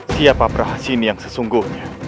siapa prahasis ini yang sesungguhnya